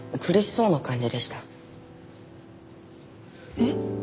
えっ？